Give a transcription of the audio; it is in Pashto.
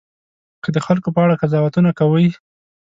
که د خلکو په اړه قضاوتونه کوئ.